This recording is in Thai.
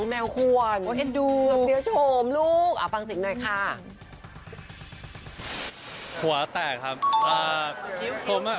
ถ้าทฤษฎิน้ำแมวอาจจะวิ่งออกชู้